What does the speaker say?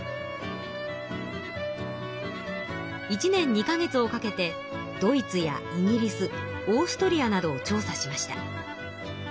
１年２か月をかけてドイツやイギリスオーストリアなどを調査しました。